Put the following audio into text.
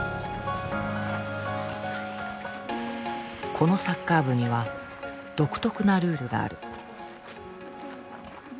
このサッカー部には独特なルールがある。